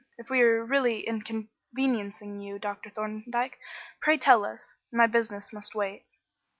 If we are really inconveniencing you, Dr. Thorndyke, pray tell us, and my business must wait."